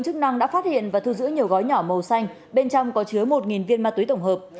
công an đã phát hiện và thư giữ nhiều gói nhỏ màu xanh bên trong có chứa một viên ma túy tổng hợp